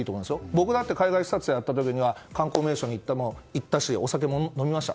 僕だって海外視察やった時には観光名所に行ったしお酒も飲みました。